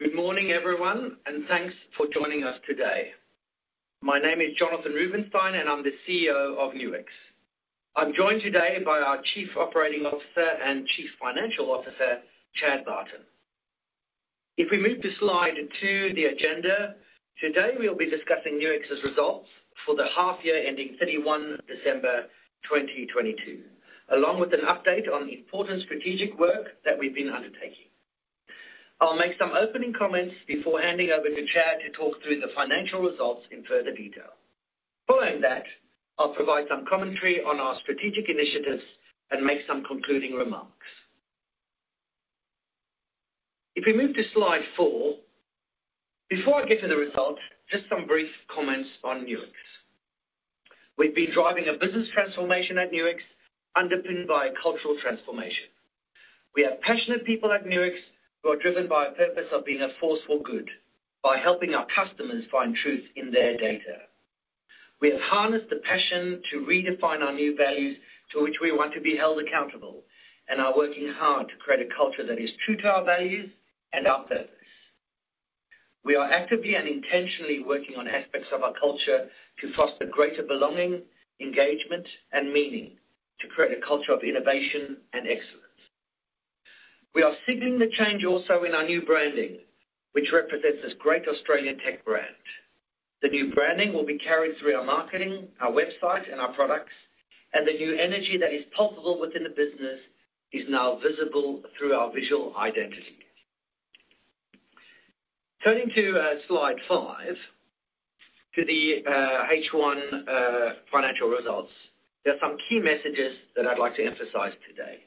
Good morning, everyone. Thanks for joining us today. My name is Jonathan Rubinsztein, and I'm the CEO of Nuix. I'm joined today by our Chief Operating Officer and Chief Financial Officer, Chad Barton. If we move to Slide 2, the agenda, today we'll be discussing Nuix's results for the half year ending 31 December 2022, along with an update on important strategic work that we've been undertaking. I'll make some opening comments before handing over to Chad to talk through the financial results in further detail. Following that, I'll provide some commentary on our strategic initiatives and make some concluding remarks. If we move to Slide 4, before I get to the results, just some brief comments on Nuix. We've been driving a business transformation at Nuix, underpinned by a cultural transformation. We have passionate people at Nuix who are driven by a purpose of being a force for good by helping our customers find truth in their data. We have harnessed the passion to redefine our new values to which we want to be held accountable and are working hard to create a culture that is true to our values and our purpose. We are actively and intentionally working on aspects of our culture to foster greater belonging, engagement, and meaning to create a culture of innovation and excellence. We are signaling the change also in our new branding, which represents this great Australian tech brand. The new branding will be carried through our marketing, our website, and our products. The new energy that is possible within the business is now visible through our visual identity. Turning to Slide 5, to the H1 financial results. There are some key messages that I'd like to emphasize today.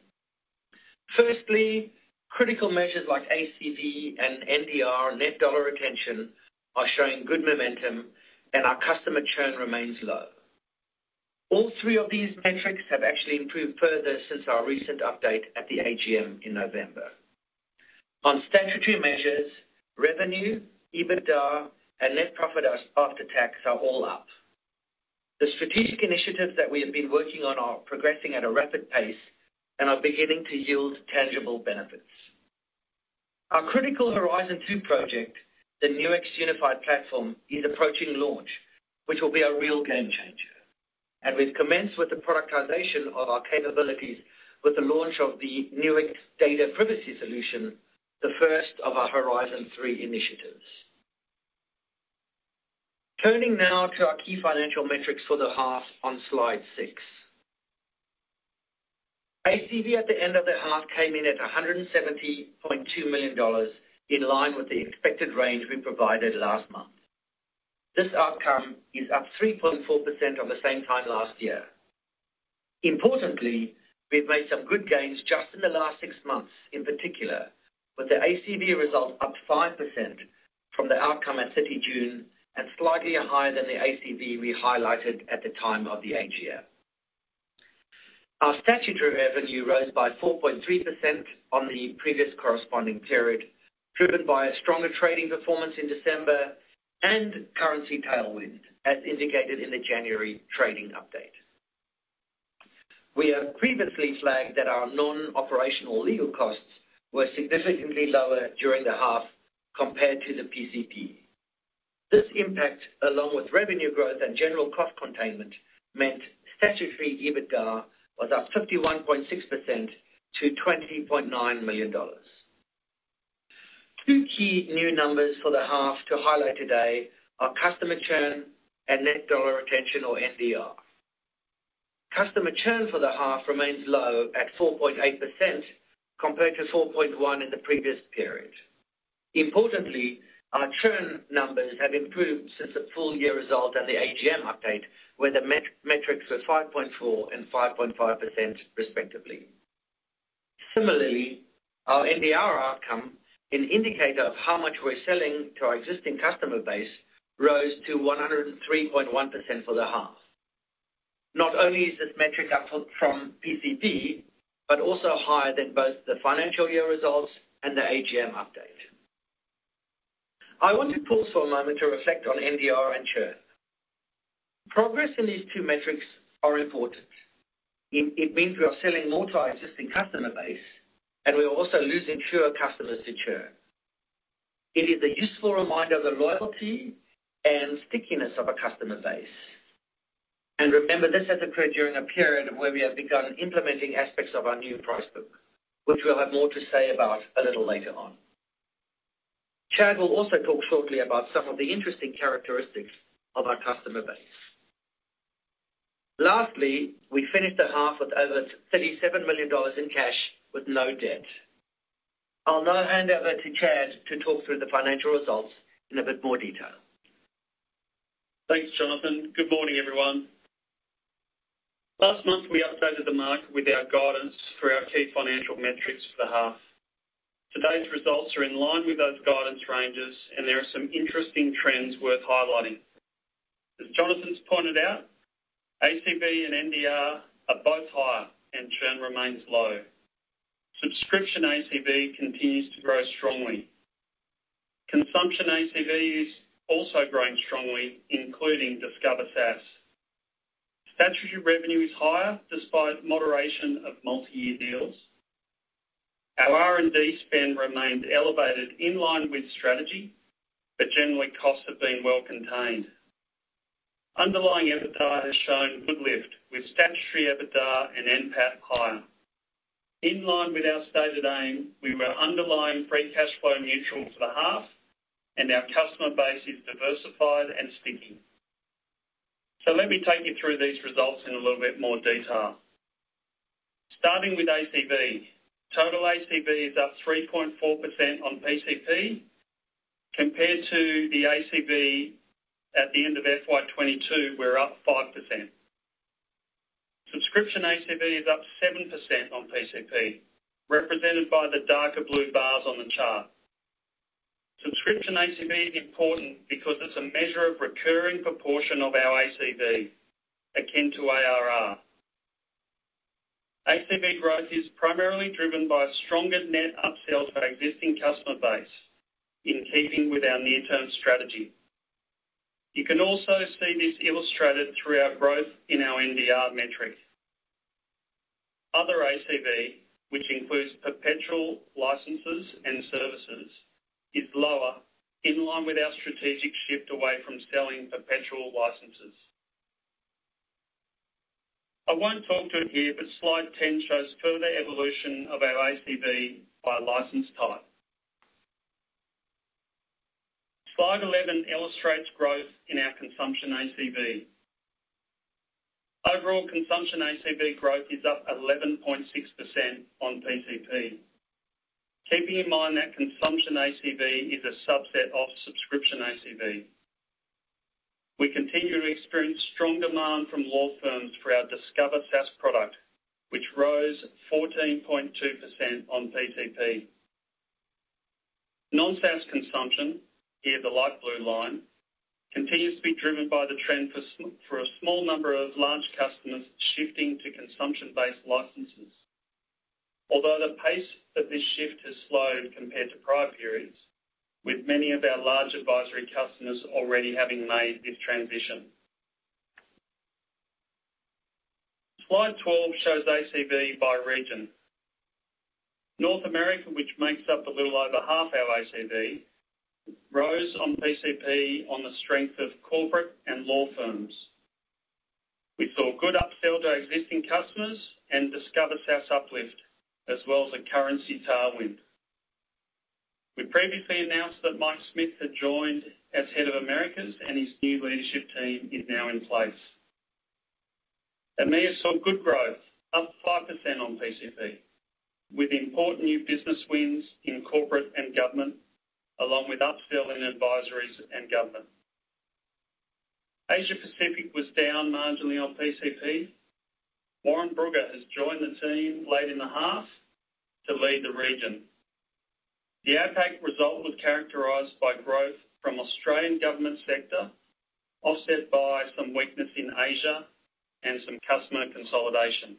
Firstly, critical measures like ACV and NDR, net dollar retention, are showing good momentum, and our customer churn remains low. All three of these metrics have actually improved further since our recent update at the AGM in November. On statutory measures, revenue, EBITDA, and net profit after tax are all up. The strategic initiatives that we have been working on are progressing at a rapid pace and are beginning to yield tangible benefits. Our critical Horizon 2 project, the Nuix Unified Platform, is approaching launch, which will be a real game changer. We've commenced with the productization of our capabilities with the launch of the Nuix Data Privacy Solution, the first of our Horizon 3 initiatives. Turning now to our key financial metrics for the half on Slide 6. ACV at the end of the half came in at 170.2 million dollars, in line with the expected range we provided last month. This outcome is up 3.4% on the same time last year. Importantly, we've made some good gains just in the last six months, in particular, with the ACV result up 5% from the outcome at 30 June and slightly higher than the ACV we highlighted at the time of the AGM. Our statutory revenue rose by 4.3% on the previous corresponding period, driven by a stronger trading performance in December and currency tailwind, as indicated in the January trading update. We have previously flagged that our non-operational legal costs were significantly lower during the half compared to the PCP. This impact, along with revenue growth and general cost containment, meant statutory EBITDA was up 51.6% to 20.9 million dollars. Two key new numbers for the half to highlight today are customer churn and Net Dollar Retention or NDR. Customer churn for the half remains low at 4.8% compared to 4.1% in the previous period. Importantly, our churn numbers have improved since the full-year result and the AGM update, where the metrics were 5.4% and 5.5% respectively. Similarly, our NDR outcome, an indicator of how much we're selling to our existing customer base, rose to 103.1% for the half. Not only is this metric up from PCP, but also higher than both the financial year results and the AGM update. I want to pause for a moment to reflect on NDR and churn. Progress in these two metrics are important. It means we are selling more to our existing customer base, and we are also losing fewer customers to churn. It is a useful reminder of the loyalty and stickiness of a customer base. Remember, this has occurred during a period of where we have begun implementing aspects of our new price book, which we'll have more to say about a little later on. Chad will also talk shortly about some of the interesting characteristics of our customer base. Lastly, we finished the half with over 37 million dollars in cash with no debt. I'll now hand over to Chad to talk through the financial results in a bit more detail. Thanks, Jonathan. Good morning, everyone. Last month, we updated the market with our guidance for our key financial metrics for the half. Today's results are in line with those guidance ranges. There are some interesting trends worth highlighting. As Jonathan's pointed out, ACV and NDR are both higher and churn remains low. Subscription ACV continues to grow strongly. Consumption ACVs also growing strongly, including Discover SaaS. Statutory revenue is higher despite moderation of multi-year deals. Our R&D spend remained elevated in line with strategy. Generally costs have been well contained. Underlying EBITDA has shown good lift with statutory EBITDA and NPAT higher. In line with our stated aim, we were underlying free cash flow neutral for the half. Our customer base is diversified and sticky. Let me take you through these results in a little bit more detail. Starting with ACV. Total ACV is up 3.4% on PCP compared to the ACV at the end of FY 2022, we're up 5%. Subscription ACV is up 7% on PCP, represented by the darker blue bars on the chart. Subscription ACV is important because it's a measure of recurring proportion of our ACV akin to ARR. ACV growth is primarily driven by stronger net upsells to our existing customer base in keeping with our near-term strategy. You can also see this illustrated through our growth in our NDR metric. Other ACV, which includes perpetual licenses and services, is lower in line with our strategic shift away from selling perpetual licenses. I won't talk to it here, but Slide 10 shows further evolution of our ACV by license type. Slide 11 illustrates growth in our consumption ACV. Overall consumption ACV growth is up 11.6% on PCP. Keeping in mind that consumption ACV is a subset of subscription ACV. We continue to experience strong demand from law firms for our Nuix Discover SaaS product, which rose 14.2% on PCP. Non-SaaS consumption, via the light blue line, continues to be driven by the trend for a small number of large customers shifting to consumption-based licenses. Although the pace of this shift has slowed compared to prior periods, with many of our large advisory customers already having made this transition. Slide 12 shows ACV by region. North America, which makes up a little over half our ACV, rose on PCP on the strength of corporate and law firms. We saw good upsell to existing customers and Nuix Discover SaaS uplift, as well as a currency tailwind. We previously announced that Mike Smith had joined as Head of Americas, and his new leadership team is now in place. EMEA saw good growth, up 5% on PCP, with important new business wins in corporate and government, along with upselling advisories and government. Asia Pacific was down marginally on PCP. Warren Brugger has joined the team late in the half to lead the region. The APAC result was characterized by growth from Australian government sector, offset by some weakness in Asia and some customer consolidation.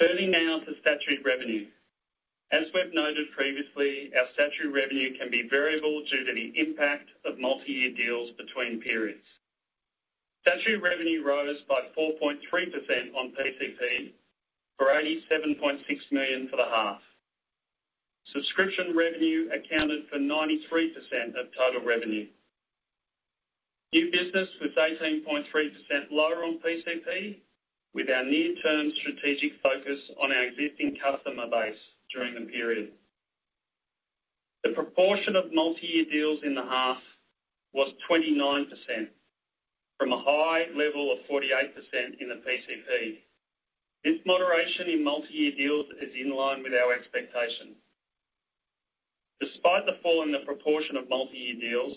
Turning now to statutory revenue. As we've noted previously, our statutory revenue can be variable due to the impact of multi-year deals between periods. Statutory revenue rose by 4.3% on PCP for 87.6 million for the half. Subscription revenue accounted for 93% of total revenue. New business was 18.3% lower on PCP, with our near-term strategic focus on our existing customer base during the period. The proportion of multi-year deals in the half was 29% from a high level of 48% in the PCP. This moderation in multi-year deals is in line with our expectations. Despite the fall in the proportion of multi-year deals,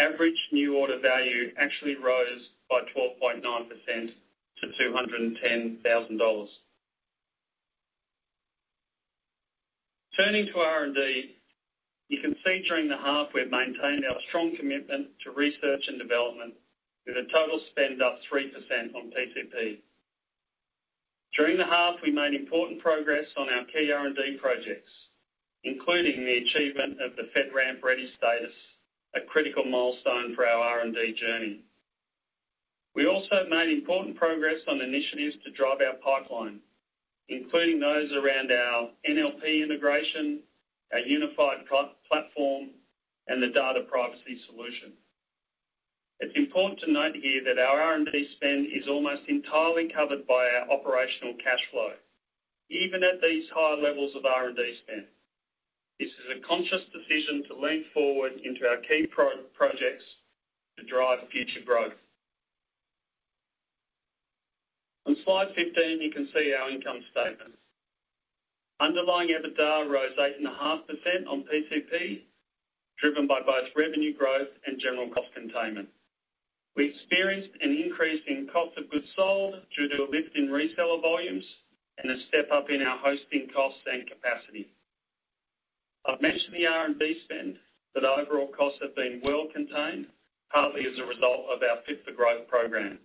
average new order value actually rose by 12.9% to AUD 210,000. Turning to R&D. You can see during the half we've maintained our strong commitment to research and development with a total spend up 3% on PCP. During the half, we made important progress on our key R&D projects, including the achievement of the FedRAMP Ready status, a critical milestone for our R&D journey. We also made important progress on initiatives to drive our pipeline, including those around our NLP integration, our Nuix Unified Platform, and the Nuix Data Privacy Solution. It's important to note here that our R&D spend is almost entirely covered by our operational cash flow, even at these higher levels of R&D spend. This is a conscious decision to lean forward into our key projects to drive future growth. On Slide 15, you can see our income statement. Underlying EBITDA rose 8.5% on PCP, driven by both revenue growth and general cost containment. We experienced an increase in cost of goods sold due to a lift in reseller volumes and a step-up in our hosting costs and capacity. I've mentioned the R&D spend. Overall costs have been well contained, partly as a result of our Fit for Growth program.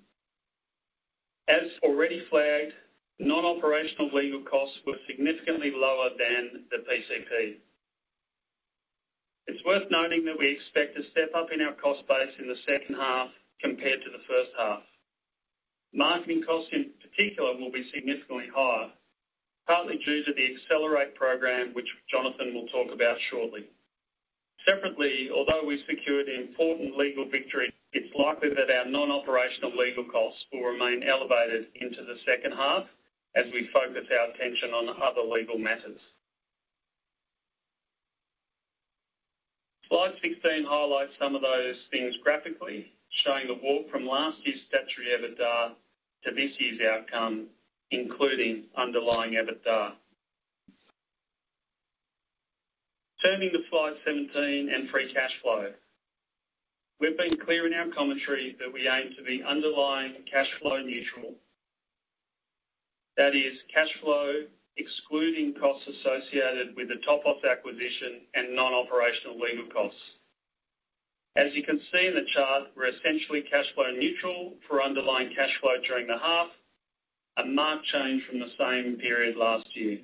As already flagged, non-operational legal costs were significantly lower than the PCP. It's worth noting that we expect to step up in our cost base in the second half compared to the first half. Marketing costs, in particular, will be significantly higher, partly due to the Accelerate program, which Jonathan will talk about shortly. Although we secured important legal victory, it's likely that our non-operational legal costs will remain elevated into the second half as we focus our attention on other legal matters. Slide 16 highlights some of those things graphically, showing a walk from last year's statutory EBITDA to this year's outcome, including underlying EBITDA. Turning to Slide 17 and free cash flow. We've been clear in our commentary that we aim to be underlying cash flow neutral. That is cash flow excluding costs associated with the Topos acquisition and non-operational legal costs. You can see in the chart, we're essentially cash flow neutral for underlying cash flow during the half, a marked change from the same period last year.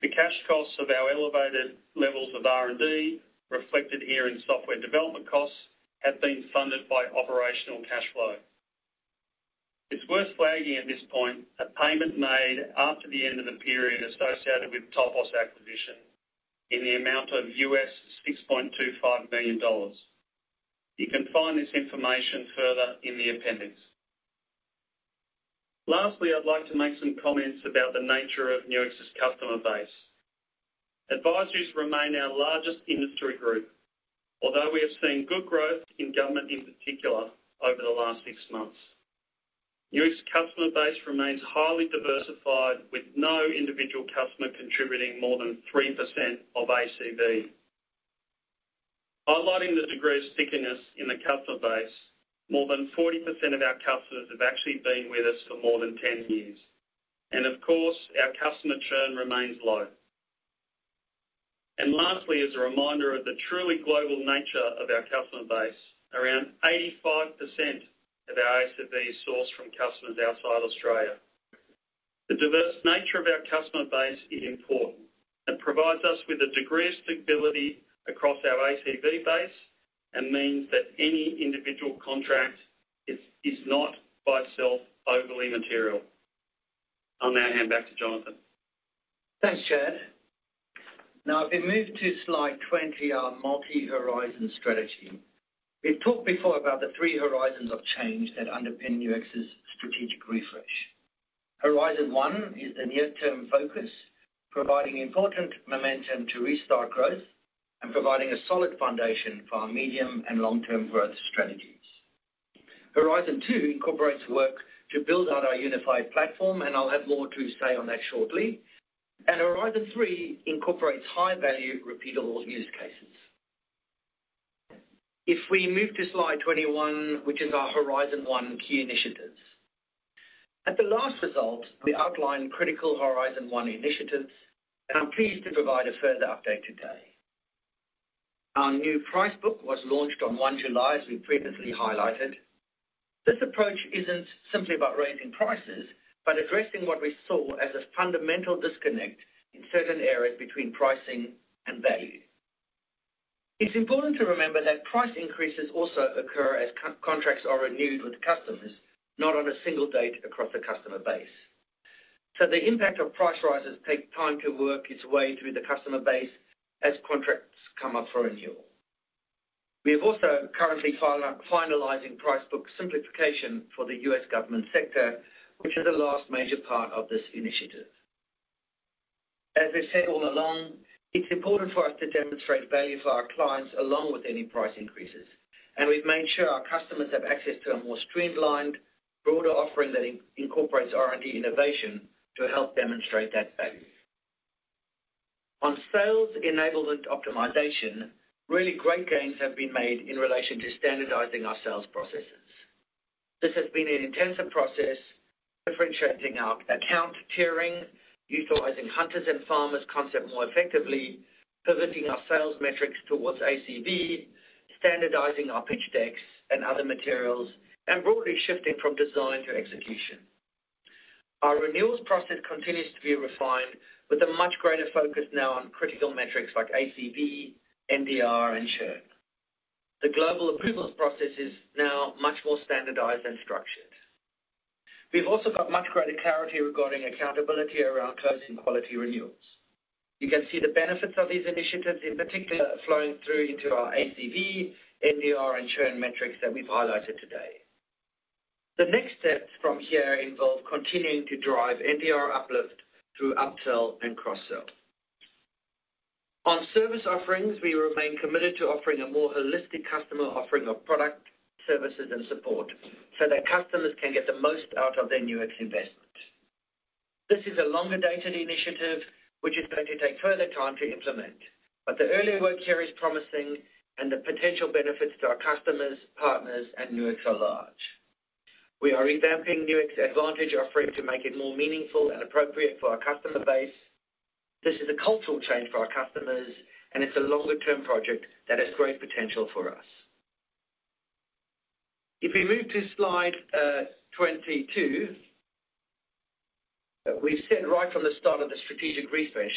The cash costs of our elevated levels of R&D, reflected here in software development costs, have been funded by operational cash flow. It's worth flagging at this point a payment made after the end of the period associated with Topos acquisition in the amount of $6.25 million. You can find this information further in the appendix. Lastly, I'd like to make some comments about the nature of Nuix's customer base. Advisories remain our largest industry group. Although we have seen good growth in government, in particular over the last six months. Nuix's customer base remains highly diversified, with no individual customer contributing more than 3% of ACV. Highlighting the degree of stickiness in the customer base, more than 40% of our customers have actually been with us for more than 10 years. Of course, our customer churn remains low. Lastly, as a reminder of the truly global nature of our customer base, around 85% of our ACV is sourced from customers outside Australia. The diverse nature of our customer base is important. It provides us with a degree of stability across our ACV base and means that any individual contract is not by itself overly material. I'll now hand back to Jonathan. Thanks, Chad. Now, if we move to Slide 20, our multi-horizon strategy. We've talked before about the three horizons of change that underpin Nuix's strategic refresh. Horizon 1 is the near-term focus, providing important momentum to restart growth and providing a solid foundation for our medium and long-term growth strategies. Horizon 2 incorporates work to build out our Unified Platform, and I'll have more to say on that shortly. Horizon 3 incorporates high-value, repeatable use cases. If we move to Slide 21, which is our Horizon 1 key initiatives. At the last results, we outlined critical Horizon 1 initiatives, and I'm pleased to provide a further update today. Our new price book was launched on 1 July, as we previously highlighted. This approach isn't simply about raising prices, but addressing what we saw as a fundamental disconnect in certain areas between pricing and value. It's important to remember that price increases also occur as contracts are renewed with customers, not on a single date across the customer base. The impact of price rises take time to work its way through the customer base as contracts come up for renewal. We have also currently finalizing price book simplification for the U.S. government sector, which is the last major part of this initiative. As we've said all along, it's important for us to demonstrate value for our clients along with any price increases, and we've made sure our customers have access to a more streamlined, broader offering that incorporates R&D innovation to help demonstrate that value. On sales enablement optimization, really great gains have been made in relation to standardizing our sales processes. This has been an intensive process, differentiating our account tiering, utilizing hunters and farmers concept more effectively, pivoting our sales metrics towards ACV, standardizing our pitch decks and other materials, and broadly shifting from design to execution. Our renewals process continues to be refined with a much greater focus now on critical metrics like ACV, NDR, and churn. The global approvals process is now much more standardized and structured. We've also got much greater clarity regarding accountability around closing quality renewals. You can see the benefits of these initiatives, in particular, flowing through into our ACV, NDR, and churn metrics that we've highlighted today. The next steps from here involve continuing to drive NDR uplift through upsell and cross-sell. On service offerings, we remain committed to offering a more holistic customer offering of product, services, and support so that customers can get the most out of their Nuix investment. This is a longer-dated initiative which is going to take further time to implement. The early work here is promising and the potential benefits to our customers, partners, and Nuix are large. We are revamping Nuix Advantage offering to make it more meaningful and appropriate for our customer base. This is a cultural change for our customers, it's a longer-term project that has great potential for us. If we move to Slide 22, we've said right from the start of the strategic refresh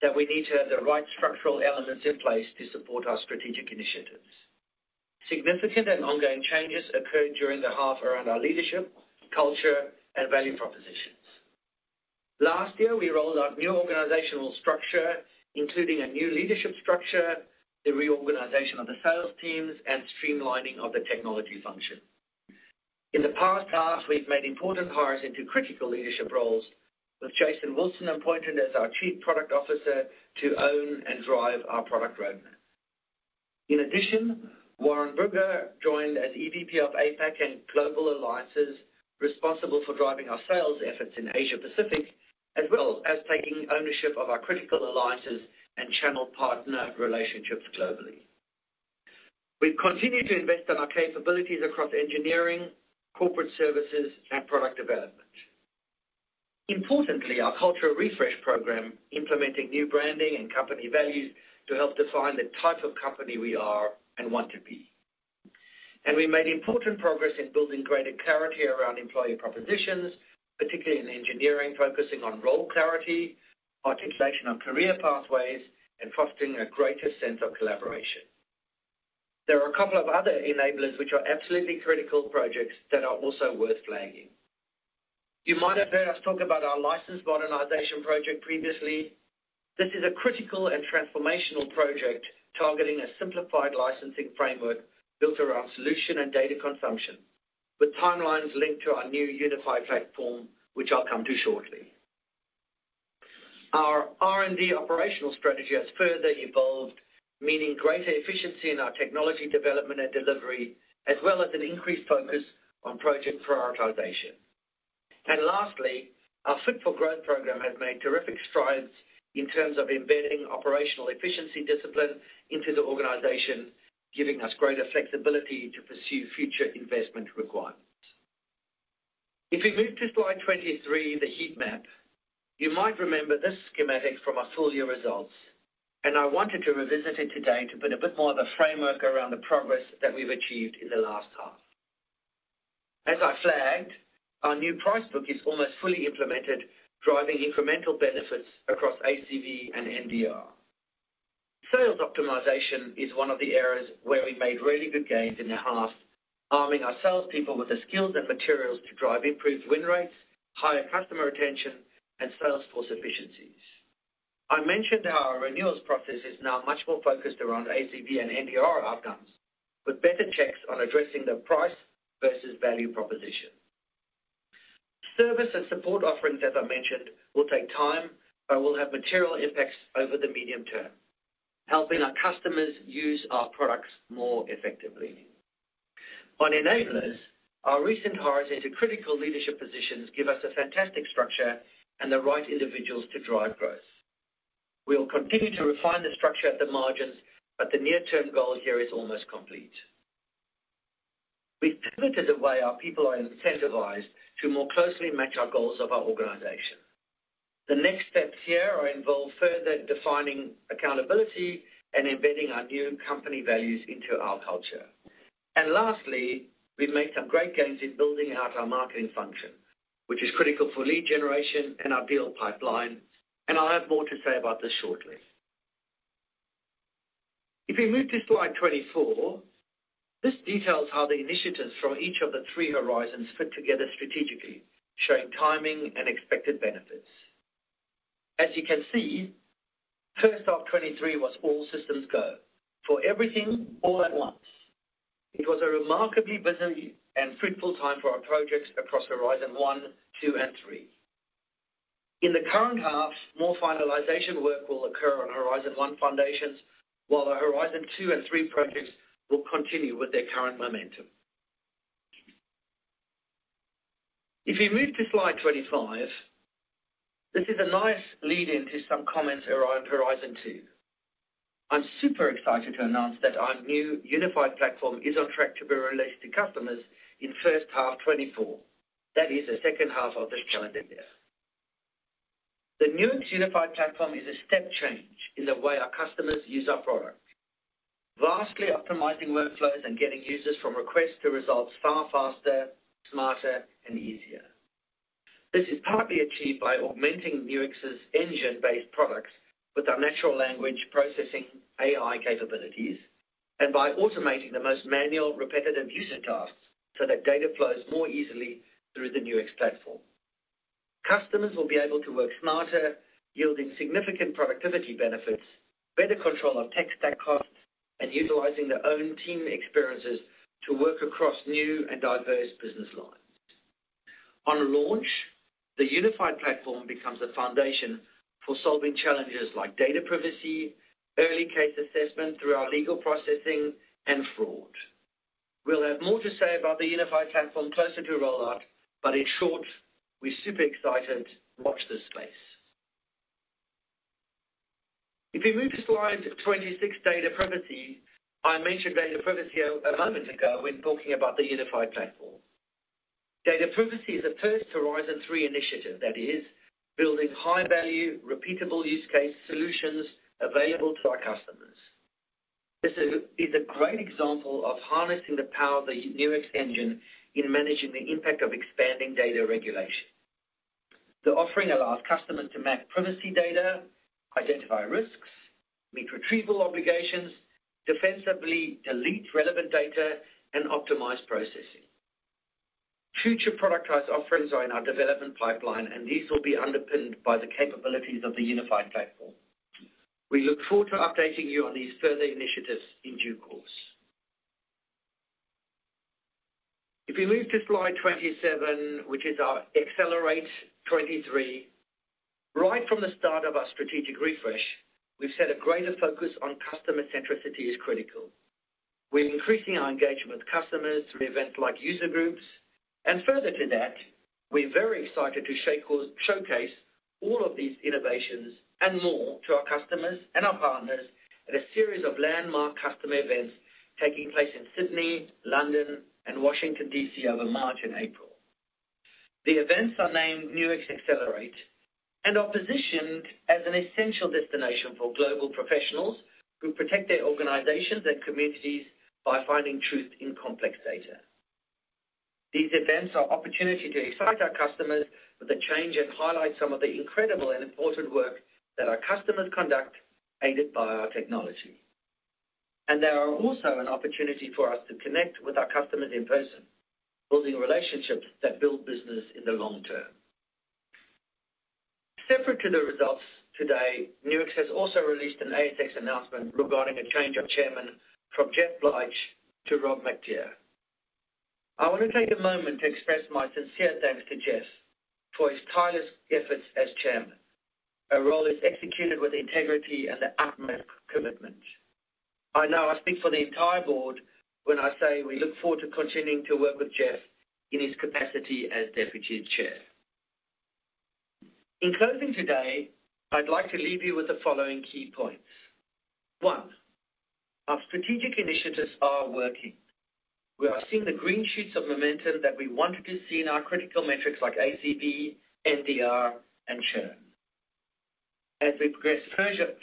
that we need to have the right structural elements in place to support our strategic initiatives. Significant and ongoing changes occurred during the half around our leadership, culture, and value propositions. Last year, we rolled out new organizational structure, including a new leadership structure, the reorganization of the sales teams, and streamlining of the technology function. In the past tasks, we've made important hires into critical leadership roles, with Jason Wilson appointed as our Chief Product Officer to own and drive our product roadmap. In addition, Warren Brugger joined as EVP of APAC and Global Alliances, responsible for driving our sales efforts in Asia Pacific, as well as taking ownership of our critical alliances and channel partner relationships globally. We've continued to invest in our capabilities across engineering, corporate services, and product development. Importantly, our cultural refresh program implementing new branding and company values to help define the type of company we are and want to be. We made important progress in building greater clarity around employee propositions, particularly in engineering, focusing on role clarity, articulation of career pathways, and fostering a greater sense of collaboration. There are a couple of other enablers which are absolutely critical projects that are also worth flagging. You might have heard us talk about our license modernization project previously. This is a critical and transformational project targeting a simplified licensing framework built around solution and data consumption, with timelines linked to our new Nuix Unified Platform, which I'll come to shortly. Our R&D operational strategy has further evolved, meaning greater efficiency in our technology development and delivery, as well as an increased focus on project prioritization. Lastly, our Fit for Growth program has made terrific strides in terms of embedding operational efficiency discipline into the organization, giving us greater flexibility to pursue future investment requirements. If we move to Slide 23, the heat map, you might remember this schematic from our full year results, I wanted to revisit it today to put a bit more of a framework around the progress that we've achieved in the last half. As I flagged, our new price book is almost fully implemented, driving incremental benefits across ACV and NDR. Sales optimization is one of the areas where we made really good gains in the half, arming our salespeople with the skills and materials to drive improved win rates, higher customer retention, and sales force efficiencies. I mentioned our renewals process is now much more focused around ACV and NDR outcomes, with better checks on addressing the price versus value proposition. Service and support offerings, as I mentioned, will take time, will have material impacts over the medium term, helping our customers use our products more effectively. On enablers, our recent hires into critical leadership positions give us a fantastic structure and the right individuals to drive growth. We'll continue to refine the structure at the margins, the near term goal here is almost complete. We've pivoted the way our people are incentivized to more closely match our goals of our organization. The next steps here are involve further defining accountability and embedding our new company values into our culture. Lastly, we've made some great gains in building out our marketing function, which is critical for lead generation and our deal pipeline, and I'll have more to say about this shortly. If we move to Slide 24, this details how the initiatives from each of the three horizons fit together strategically, showing timing and expected benefits. As you can see, first half 2023 was all systems go for everything, all at once. It was a remarkably busy and fruitful time for our projects across Horizon 1, 2, and 3. In the current half, more finalization work will occur on Horizon 1 foundations, while the Horizon 2 and 3 projects will continue with their current momentum. If we move to Slide 25, this is a nice lead in to some comments around Horizon 2. I'm super excited to announce that our new Nuix Unified Platform is on track to be released to customers in first half 2024. That is the second half of this calendar year. The Nuix Unified Platform is a step change in the way our customers use our product, vastly optimizing workflows and getting users from request to results far faster, smarter, and easier. This is partly achieved by augmenting Nuix's engine-based products with our natural language processing AI capabilities and by automating the most manual, repetitive user tasks so that data flows more easily through the Nuix platform. Customers will be able to work smarter, yielding significant productivity benefits, better control of tech stack costs, and utilizing their own team experiences to work across new and diverse business lines. On launch, the Nuix Unified Platform becomes the foundation for solving challenges like Nuix Data Privacy Solution, early case assessment through our legal processing, and fraud. We'll have more to say about the Nuix Unified Platform closer to rollout, in short, we're super excited. Watch this space. We move to Slide 26, Nuix Data Privacy Solution. I mentioned Nuix Data Privacy Solution a moment ago when talking about the Nuix Unified Platform. Nuix Data Privacy Solution is a first Horizon 3 initiative that is building high value, repeatable use case solutions available to our customers. This is a great example of harnessing the power of the Nuix engine in managing the impact of expanding data regulation. The offering allows customers to map privacy data, identify risks, meet retrieval obligations, defensively delete relevant data and optimize processing. Future productized offerings are in our development pipeline. These will be underpinned by the capabilities of the Nuix Unified Platform. We look forward to updating you on these further initiatives in due course. If you move to Slide 27, which is our Accelerate 23. Right from the start of our strategic refresh, we've said a greater focus on customer centricity is critical. We're increasing our engagement with customers through events like user groups. Further to that, we're very excited to showcase all of these innovations and more to our customers and our partners at a series of landmark customer events taking place in Sydney, London and Washington D.C. over March and April. The events are named Nuix Accelerate and are positioned as an essential destination for global professionals who protect their organizations and communities by finding truth in complex data. These events are opportunity to excite our customers with the change and highlight some of the incredible and important work that our customers conduct aided by our technology. They are also an opportunity for us to connect with our customers in person, building relationships that build business in the long term. Separate to the results today, Nuix has also released an ASX announcement regarding a change of chairman from Jeff Bleich to Rob Mactier. I want to take a moment to express my sincere thanks to Jeff for his tireless efforts as chairman. A role is executed with integrity and the utmost commitment. I know I speak for the entire board when I say we look forward to continuing to work with Jeff in his capacity as Deputy Chair. In closing today, I'd like to leave you with the following key points. One, our strategic initiatives are working. We are seeing the green shoots of momentum that we wanted to see in our critical metrics like ACV, NDR and churn. As we progress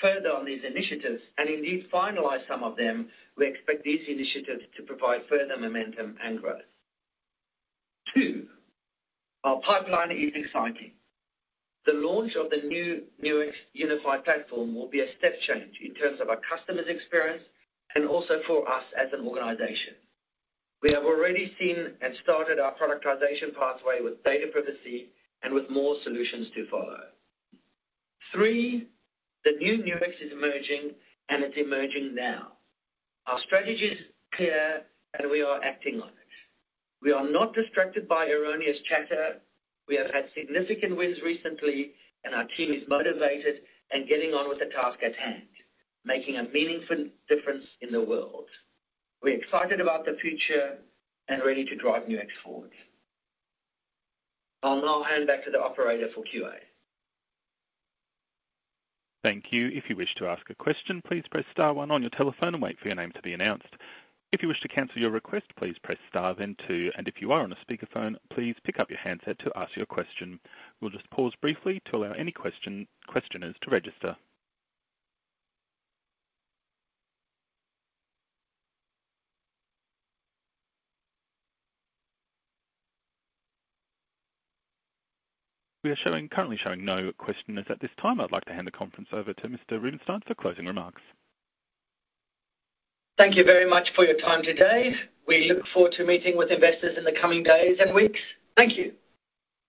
further on these initiatives and indeed finalize some of them, we expect these initiatives to provide further momentum and growth. Two, our pipeline is exciting. The launch of the new Nuix Unified Platform will be a step change in terms of our customers' experience and also for us as an organization. We have already seen and started our productization pathway with data privacy and with more solutions to follow. Three, the new Nuix is emerging and it's emerging now. Our strategy is clear. We are acting on it. We are not distracted by erroneous chatter. We have had significant wins recently. Our team is motivated and getting on with the task at hand, making a meaningful difference in the world. We're excited about the future and ready to drive Nuix forward. I'll now hand back to the operator for QA. Thank you. If you wish to ask a question, please press star one on your telephone and wait for your name to be announced. If you wish to cancel your request, please press star then two. If you are on a speakerphone, please pick up your handset to ask your question. We'll just pause briefly to allow any questioners to register. We are currently showing no questioners at this time. I'd like to hand the conference over to Mr. Rubinsztein for closing remarks. Thank you very much for your time today. We look forward to meeting with investors in the coming days and weeks. Thank you.